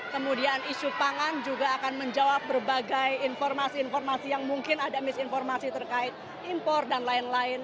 kemudian isu pangan juga akan menjawab berbagai informasi informasi yang mungkin ada misinformasi terkait impor dan lain lain